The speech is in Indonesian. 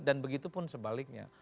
dan begitu pun sebaliknya